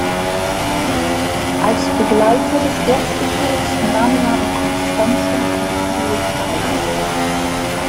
Als Begleiter des Erzbischofs nahm er am Konstanzer Konzil teil.